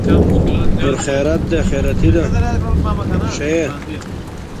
Environmental hazards were also seen as making the lives of urban blacks unstable.